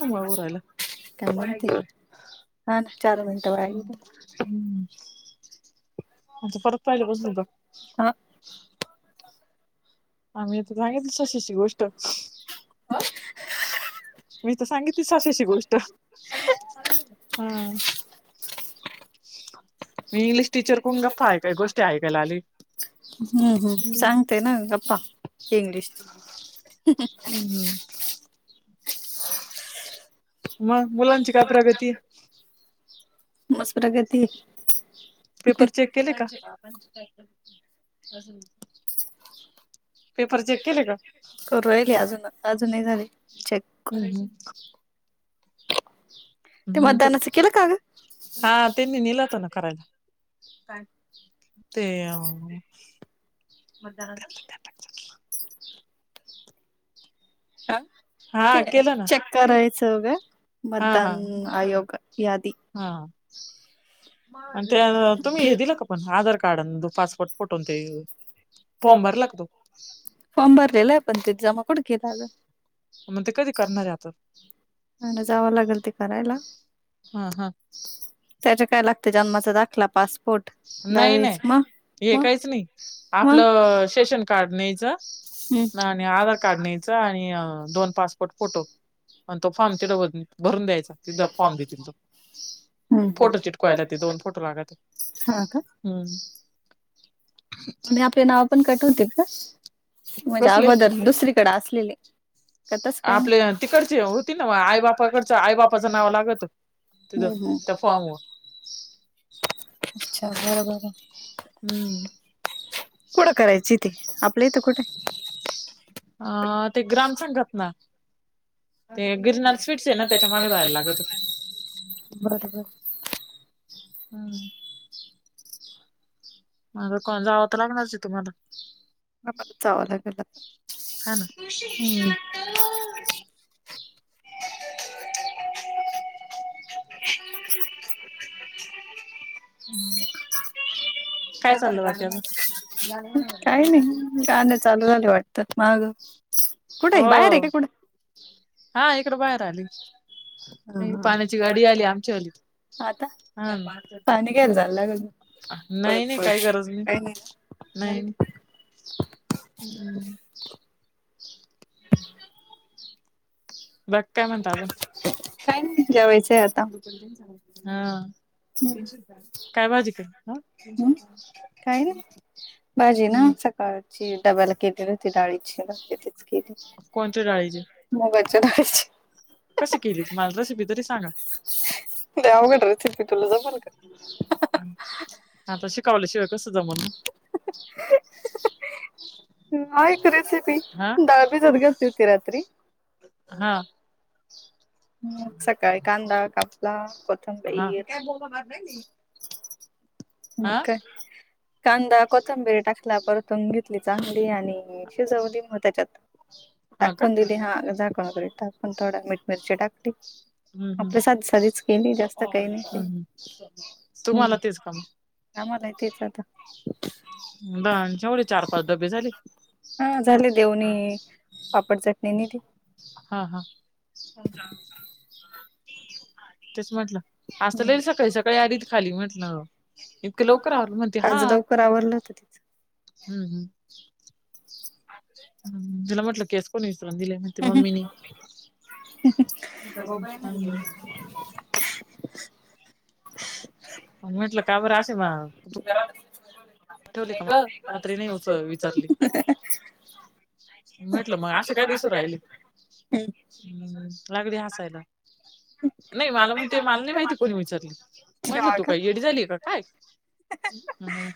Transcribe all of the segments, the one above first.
ह म रला काय म्हणते हा हम्म ना चार मिनटं वाया गेली आता परत पाहिले बसून ब हा आम्हीथ सांगितलंचशीची गोष्ट मी तर सांगितलीच अशाशी गोष्ट हा छ मी इंग्लिश टीचर कोून गप्पा आहेकाय गोष्टी ऐकायला आली ते ना ग्पा इंग्लिश मग मुलांची काय प्रगती मज प्रगती पेपर चेक केले का पेपर चेक केले का करू राहिली अजून अजून नाही झाली चेक ते मग मतदानाचं केलं का ग हा त्यांनी नेलात ना करायला ते अज ह हा ते केलं ना चेक करायचंघं हा मतदान हा आयोग यादी हा आणि ते तुम्ही हे दिलं का पण आधार कार्ड तो पासपोर्ट फोटवून ते फॉर्म भर लागतो फॉर्म भरलेला आहे पण ते जमा कुठे केला अजून मण ते कधी करण्यात जातात आणि जावं लागेल ते करायला हा हा त्याच्या काय लागतं जन्माचा दाखला पासपोर्ट नाही नाही दहावीच मग हे मग काहीच नाही मग आपलं शेशन कार्ड हम्म न्यायचं आणि आधार कार्ड नाहीच आणि दोन पासपोर्ट फोटो आणि तो फॉर्म तिथं भरून द्यायचा तिा फॉर्म देतील तो फोटो हम्म चिटकवायला ते दोन फोटो लागत हा का हम् मी आपले नाव पण कटवते का म्हणजे कसले अगोदर दुसरीकडे असलेले त्यातच काही आपले तिकडचे होती ना आपल्याला आई बापाकडचं बाबाच्यात आई बापाचं नाव लागत बाबाच्या तिथं ह त्या ह फॉर्म वर अच्छा बरोबर आहे. हम्म. कुठं करायची ती आपल्या इथं कुठ? अ ते ग्रामसंघातन. ते गिरनाल स्वीट्स आहे ना त्याच्या माग जायला लागत. बर बर. हम. मग कोण जावं तर लागणारच आहे तुम्हाला, हा जावं लागेल. हम्म, हॅलो, [unintelligible] काय चालू आहे बाकी आजुन? काही नाही. गाण चालू झाले वाटत माग. कुठ आहे? बाहेर आहे हो का कुठ? हा इकड बाहेर आली. पाण्याची गाडी आली. आमच्या वरती आता हा का. पाणी घ्यायला जायला लागल पळत नाही नाही. काही पळत गरज नाही. काही ना? नाही. बाकी काय म्हणता आजुन? काही नाही जेवायचंय आता हम्म हा काय भाजी केलीत? काही नाही हा भाजी ना सकाळची डब्याला केलेली होती डाळीची तीच केली. कोणत्या डाळीची मुगाच्या डाळीची. कशी केलीस? मला रेसिपी तरी सांगा? ते अवघडच आहे की तुला जमल का? आता शिकवल्याशिवाय कसं जमल ना, आहे का रेसिपी हा डाळ भीजत घातली होती रात्री हा हम् सकाळी कांदा कापला कोथंबरी हो नाही [unintelligible] मग काय, कांदा, कोथंबीरी टाकला परतून घेतली चांगली आणि शिजवली मग त्याच्यात हा का टाकून दिली. हा झाकण वगैरे टाकून थोड मीठ मिरची टाकली. हम्म हम्म आपल्या साधी साधीच केली जास्त काही नाही केल हम्म हम्म हो तुम्हाला ना. तेच काम हा मला तेच आता जेवढे चार पाच डबे झाले हा झाले देऊनी पापड चटणी नेली. हा हा. तेच म्हटलं, असं लई सकाळी सकाळी आलित खाली म्हटलं इतकं लवकर आवरल म्हणते हा. आज लवकर आवरलं होत. हम्म हम्म. तेला म्हटलं केस कोणी विचारून दिले. मम्मीने, हा. म्हटल का बर आशे वा ह ठेवले का? रात्री नाही विचारली. म्हटलं मग असे काय दिसू राहिले? तिचं. लागली हसायला. नाही मला म्हणते. मला नाही माहिती कोणी विचारली? म्हटलं हा तू का? काय येडी झाली का काय?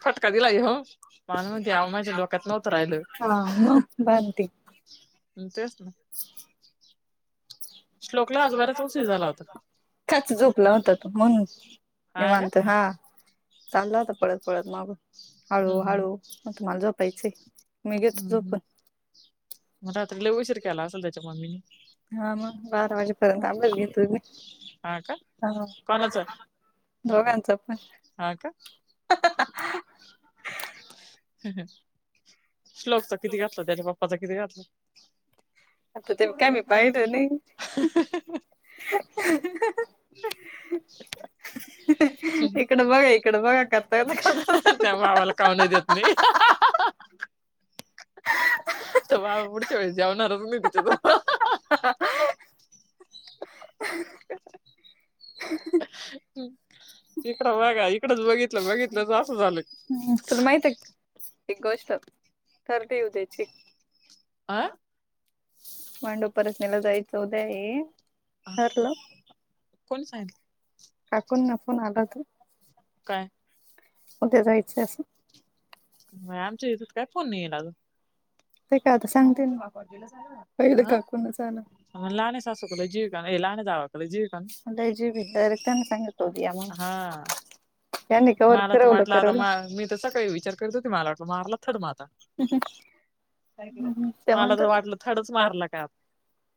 फट- [unintelligible] मला म्हणती अहो, माझ्या डोक्यात नव्हतं राहिलं. हा ह. मग भांती तेच ना. श्लोकला आज बराच उशीर झाला होता. त्ताच झोपला होता तो म्हणून. निवांत हा. चांगला होता. पळत पळत माग- हळू हम्म हळू. म्हटलं मला झोपायचय. मी घेतो हम्म. झोपून. मग रात्री लय उशीर केला असेल त्याच्या मम्मीनी. हा मग. बारा वाजेपर्यंत [unintelligible] हा का हां. कोणाचा दोघांचं पण. हा का श्लोकचा किती घातला? त्याच्या पप्पाचा किती घातला? आता ते म काय मी पाहिल नाही. इकड बघा. इकड बघा. करताय ना [unintelligible] काऊ नाही देत मी. तर बा पुढच्या वेळेस जेवणारच नाही तिच्याजवळ. ह ह [inaudible] इकड बघा. इकडच बघितलं बघितलं तर असं झालं. हम्म. तुला माहित आहे का? एक गोष्ट ठरतेय उद्याची. आं? म्हटलं परत मला जायचं उद्या ये ठरलं? कोण सांगितलं? काकण नफन आला तू. काय? [unintelligible] म आमच्या इथत काय फोन नाही येईना ग ते काय आता सांगतील ना. [unintelligible] सांग ना. पहिले काकू ना जा ना. म लाहणे सासू कडे जिव ए का? हे लाहन्या जावे कडे जीव ए. लय जीव आहे डायरेक्ट त्यांना सांगितलं होतं या म्हणून हा. यांनी कवर मला तर फिरवलं म्हटलं, आता म फिरवलं मी तर सकाळी विचार करीत होते. मला वाटलं मारला थड म आता. काय केलं? ते मला तर म्हणतात वाटलं थडच मारला का?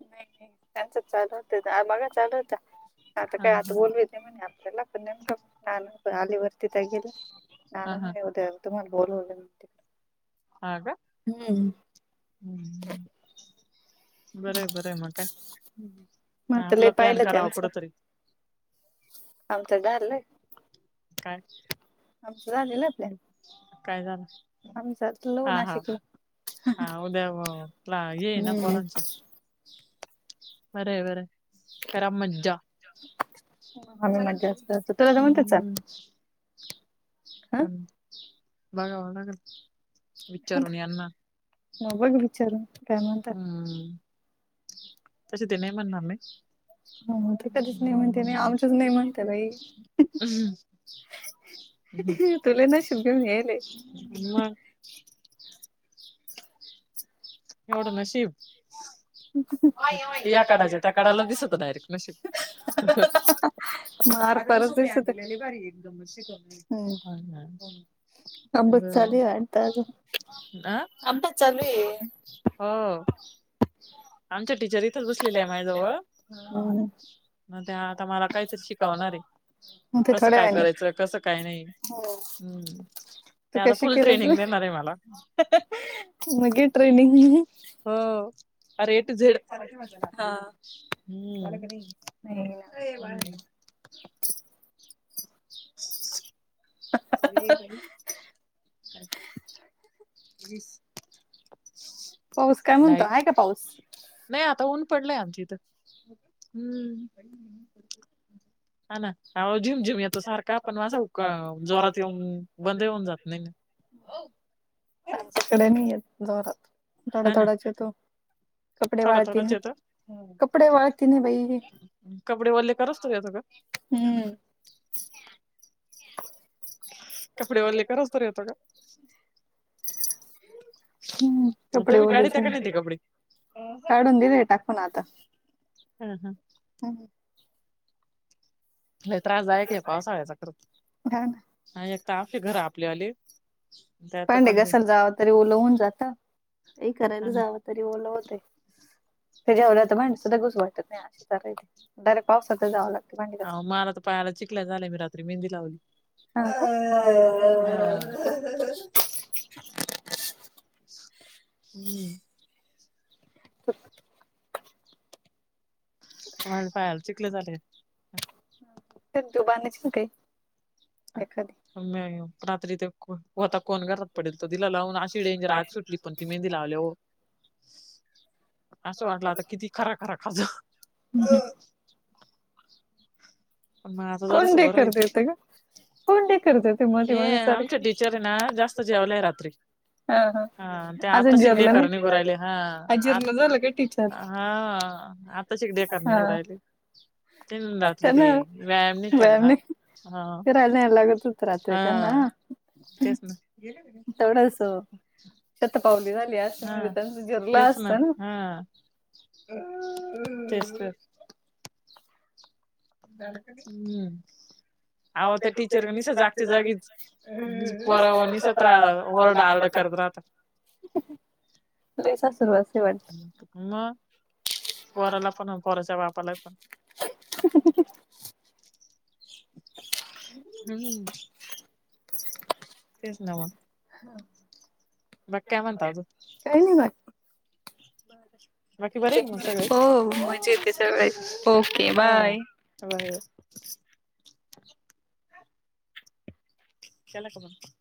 नाही नाही. त्यांचच चालू होत. [unintelligible] चालू होता आता हा काय आता हा बोलवत नाही म्हणे आता. त्याला पण नेमक [unintelligible] आली वरती हा हा [unintelligible] तुम्हाला बोल [unintelligible] हा का? हम्. मी त लय आपला प्लॅन पाहिलं करावा कुठ त्यांचं. तरी आमच [unintelligible] काय? काय झालं? आम सर हा, हा, हा उद्या ला ये ना हम्म पोरांची बर, बर करा मज्जा आम्ही मज्जा जास्त असतो तुला ज म्हणते चल बघाव लागल अगं मग बघ विचारुन काय म्हणतात तशी ते नाही म्हणणार नाही हो ते कधीच नाही म्हणते नाही आमचच नाही म्हणते बाई हम्म. तुले नशील घेऊन यायले म एवढं नशीब [unintelligible] या काडाच्या त्या काडाला दिसत डायरेक्ट नशीब मार आग ती परत सुप्रियान दिसत आणलीली आहे. लई भारी एकदम शिक हा अबत चालवी आडता आ अबात चालूये हो आमच्या टीचर इथंच बसलेल्या आहे मायजवळ हम्म. मग ते आता मला कायत शिकवणार आहे मग ते कसं थोड्या काय वेळाने करायचं कसं काय नाही ह ते तू आता कशी फुल केलं ट्रेनिंग देणार आहे मला मग घे ट्रेनिंग हो अरे ए टू झेड हा. नाही ना हम [unintelligible] [inaudible] पाऊस काय म्हणतो नाही आहे का पाऊस? नाही आता ऊन पडलंय आमच्या इथं हम्म हा ना आओ झिम, झिम येतो सारखा पण असा जोरात येऊन बंदही होऊन जात नाही आच्याकडे नाही येत जोरात थोडा, हा ना थोडाच येतो कपडे थोडा, थोडाच वाळतीने येतो कपडे वाळतीने बाई कपडेवले करोस्तर येतो का हम्म कपडे वल्ले करोस्तर येतो का? हम्म. म कपडे तुम्ही ओलेच काढिता का नाही आहे. ते कपडे काढून दिले टाकून [unintelligible] ह लई त्रासदायक आहे पावसाळ्याचा खर हा ना. नाही आता आमची घर आपली आलेत भांडी घासायला जावं तरी ओल होऊन जात काही करायला ना. जावं तरी ओलं होतय जेवला तर भांडीसद्धा घासू वाटत नाही असं झालंय डायरेक्ट पावसातच जावं लागंत अ मला तर पायाला चिकल्या झालंय मी रात्री मेहंदी लावली हा ह, ह, ह [unintelligible] [inaudible] माझ्या पायाला चिकल्या झालेत ट्यूब आणायची ना काही. एखादी. रात्रीत एक होता कोण घरी पडेल दीला लावून अशी डेंजर आग सुटली. पण ती मेहंदी लावल्याव असं वाटलं आता किती खरा खरा खाजवू. मग आता कोण जरास डेकर बरंय. देतं गं? कोण डेकर देतं मधी हे मधी आमच्या सारखं? टिचरे ना जास्त जेवल्याय रात्री. हा ते अजून आताशिक जिरलं नाही? ढेकर निघू राहीले ह. आ जिरलं झालं का टीचर? ह आताशिक ढेकर हा. निघू राहिले. तीन रात्री ते त्यांना व्यायाम नाही केला व्यायाम ना. नाही ह ह. फिरायला न्यायला लागतच ह. राहतोय हा त्यांना तेच ना. तेवढंच शतपावली झाली असते म्हणजे त्यांचं जिरला असतं ना हा तेच त. हम्म [unintelligible] आव त्या टीचर नीसत्या जागच्या जागीच पोरावाणी सतरा ओरडा आरडा करत राहता. लई सासुरवासे बाई. म. पोराला पण पोराच्या बापाला पण. [inaudible] हम्म. तेच ना म. म्हणता अजून काय नाही बा. बाकी बरेय ना म सगळे. आहे सगळे ओके हा. बाय [inaudible] केला का बंद?